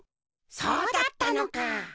そうだったのか！